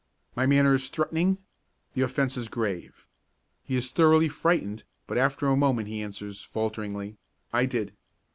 My manner is threatening. The offence is grave. He is thoroughly frightened, but after a moment he answers, falteringly, "I did."